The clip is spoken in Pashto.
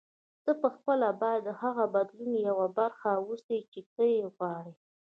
ته پخپله باید د هغه بدلون یوه برخه اوسې چې ته یې غواړې.